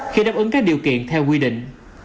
khi đáp ứng các điều kiện theo quy định